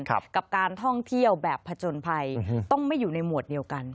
กับการท่องเที่ยวแบบผจญภัยต้องไม่อยู่ในหมวดเดียวกัน